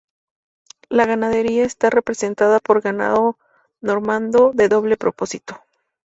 La ganadería está representada por ganado normando de doble propósito.